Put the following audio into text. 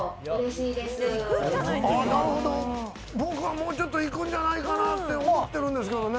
僕は、もうちょっと行くんじゃないかなと思ってるんですけれどね。